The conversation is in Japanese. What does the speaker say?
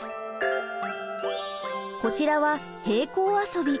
こちらは「平行遊び」。